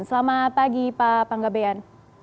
selamat pagi pak panggabean